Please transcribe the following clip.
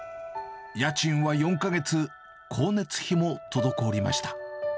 家賃は４か月、光熱費も滞りました。